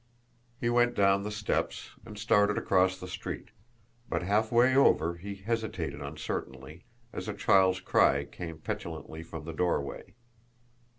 He went down the steps, and started across the street; but halfway over, he hesitated uncertainly, as a child's cry came petulantly from the doorway.